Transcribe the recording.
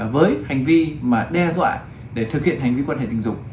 với hành vi mà đe dọa để thực hiện hành vi quan hệ tình dục